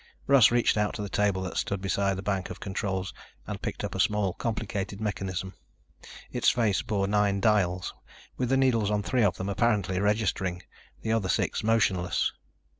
Russ reached out to the table that stood beside the bank of controls and picked up a small, complicated mechanism. Its face bore nine dials, with the needles on three of them apparently registering, the other six motionless.